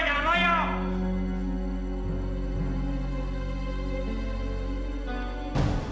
jangan jadi pemals kamu